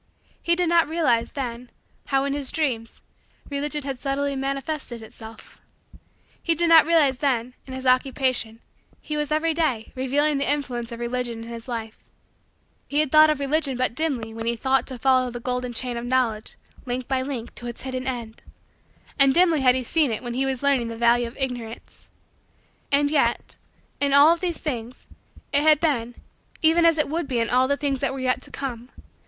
He did not realize, then, how, in his Dreams, Religion had subtly manifested itself. He did not realize, that, in his Occupation, he was, every day, revealing the influence of Religion in his life. He had seen Religion but dimly when he had thought to follow the golden chain of Knowledge, link by link, to its hidden end. Dimly had he seen it when he was learning the value of Ignorance. And yet, in all of these things it had been even as it would be in all the things that were yet to come.